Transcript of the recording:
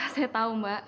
saya tahu mbak